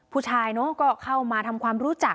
ฟุชายเข้ามาทำความรู้จัก